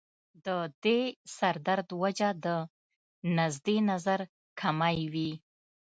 د دې سر درد وجه د نزدې نظر کمی وي